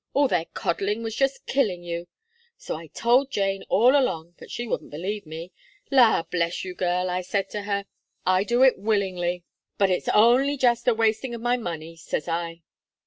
all their coddling was just killing you. So I told Jane, all along, but she wouldn't believe me. 'La bless you, girl!' I said to her, 'I do it willingly, but ifs only just a wasting of my money,' says I."